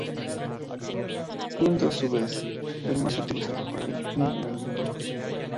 Siendo, a su vez, el más utilizado para este fin en el mundo.